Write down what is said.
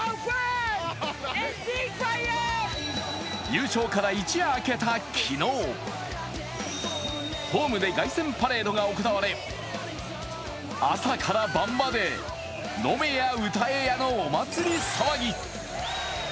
優勝から一夜明けた昨日、ホームで凱旋パレードが行われ朝から晩まで飲めや歌えやのお祭り騒ぎ。